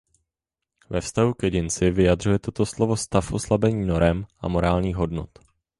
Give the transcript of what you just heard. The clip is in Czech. Ve vztahu k jedinci vyjadřuje toto slovo stav oslabení norem a morálních hodnot.